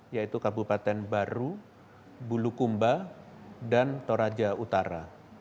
yaitu kabupaten baru bulukumba dan toraja utara